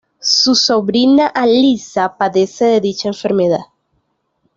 Su sobrina Alyssa padece de dicha enfermedad.